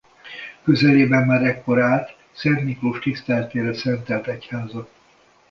Közelében már ekkor állt Szent Miklós tiszteletére szentelt egyháza.